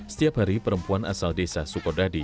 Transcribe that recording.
setiap hari perempuan asal desa sukodadi